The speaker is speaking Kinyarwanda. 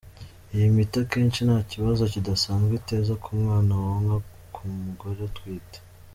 Iyi miti akenshi nta kibazo kidasanzwe iteza ku mwana wonka ku mugore utwite.